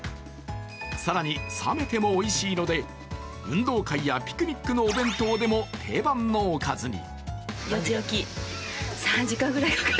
更に、冷めてもおいしいので運動会やピクニックのお弁当でも定番のおかずに。